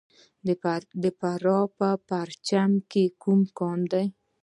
د فراه په پرچمن کې کوم کان دی؟